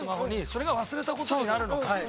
それが忘れた事になるのか。